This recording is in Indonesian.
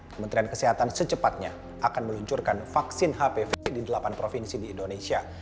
kementerian kesehatan secepatnya akan meluncurkan vaksin hpv di delapan provinsi di indonesia